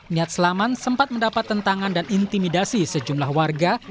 niat selamat mendapat tentangan dan intimidasi sejumlah warga